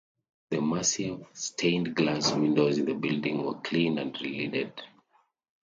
The massive stained glass windows in the building were cleaned and releaded.